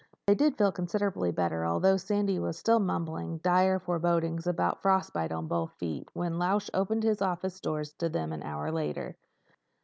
They did feel considerably better, although Sandy was still mumbling dire forebodings about frostbite in both feet, when Lausch opened his office door to them an hour later.